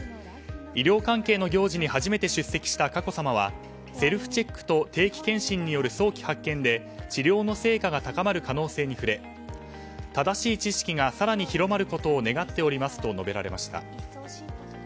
医療関係の行事に初めて出席した佳子さまはセルフチェックと定期検診による早期発見で治療の成果が高まる可能性に触れ正しい知識が更に広まることを願っておりますと述べられました。